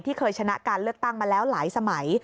เคยชนะการเลือกตั้งมาแล้วหลายสมัย